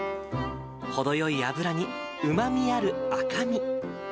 程よい脂にうまみある赤身。